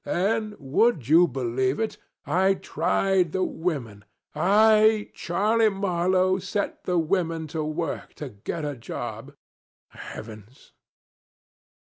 Then would you believe it? I tried the women. I, Charlie Marlow, set the women to work to get a job. Heavens!